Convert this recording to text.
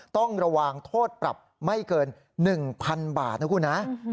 ต้องระวังโทษปรับไม่เกิน๑๐๐๐บาทนะคุณนะ